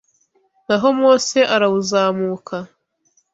naho Mose arawuzamuka.